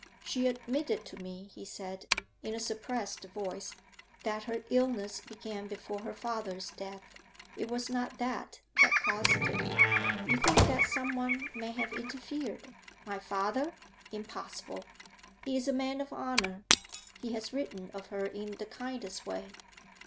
'She admitted to me,' he said, in a suppressed voice, 'that her illness began before her father's death. It was not that that caused it. You think that someone may have interfered? My father? Impossible! He is a man of honour; he has written of her in the kindest way.'